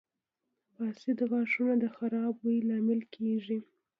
• فاسد غاښونه د خراب بوی لامل کیږي.